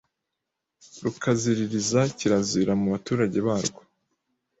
rukaziririza kirazira mubaturage barwo